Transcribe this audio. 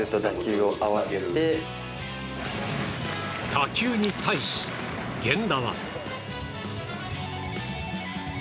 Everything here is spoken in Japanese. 打球に対し源田は。